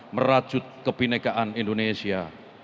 merajut kebenekaan indonesia